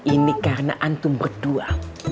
ini karena antum berdua